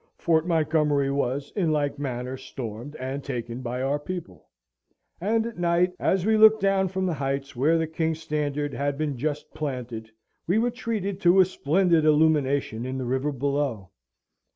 Fort Montgomery was, in like manner, stormed and taken by our people; and, at night, as we looked down from the heights where the king's standard had been just planted, we were treated to a splendid illumination in the river below.